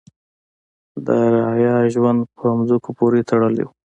د رعایا ژوند په ځمکو پورې تړلی و.